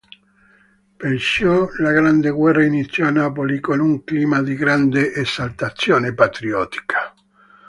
Perciò la grande guerra iniziò a Napoli con "un clima di grande esaltazione patriottica".